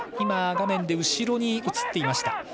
画面では後ろに映っていました。